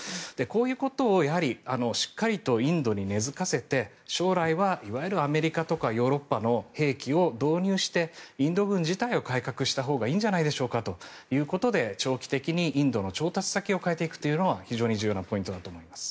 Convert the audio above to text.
こういうことをしっかりとインドに根付かせて将来はいわゆるアメリカとかヨーロッパの兵器を導入してインド軍自体を改革したほうがいいんじゃないですかということで長期的にインドの調達先を変えていくというのが非常に重要なポイントだと思います。